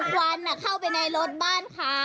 เขาหาว่าเราอ่ะทำควันอ่ะเข้าไปในรถบ้านเขา